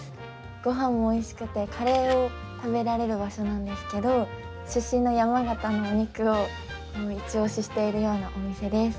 ごはんもおいしくてカレーを食べられる場所なんですけど出身の山形のお肉をいちオシしているようなお店です。